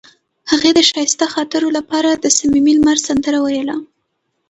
هغې د ښایسته خاطرو لپاره د صمیمي لمر سندره ویله.